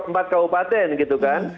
empat kabupaten gitu kan